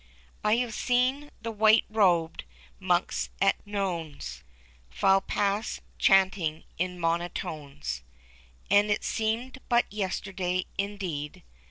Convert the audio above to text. I have seen the white robed monks at nones File past, chanting in monotones ; And it seems but yesterday, indeed.